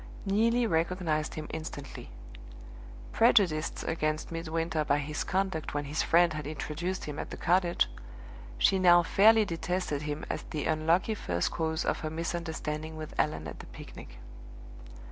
Neelie recognized him instantly. Prejudiced against Midwinter by his conduct when his friend had introduced him at the cottage, she now fairly detested him as the unlucky first cause of her misunderstanding with Allan at the picnic.